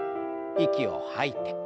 息を吐いて。